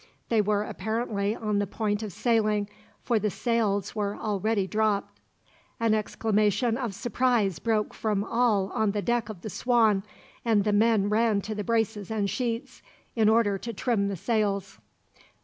They were apparently on the point of sailing, for the sails were already dropped. An exclamation of surprise broke from all on the deck of the Swan, and the men ran to the braces and sheets, in order to trim the sails.